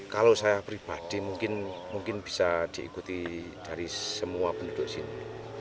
kalau saya pribadi mungkin bisa diikuti dari semua penduduk sini